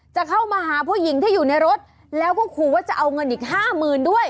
จะเข้ามาหาผู้หญิงที่อยู่ในรถแล้วก็ขู่ว่าจะเอาเงินอีกห้าหมื่นด้วย